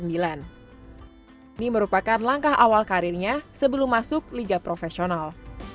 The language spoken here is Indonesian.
ini merupakan langkah awal karirnya sebelum masuk liga profesional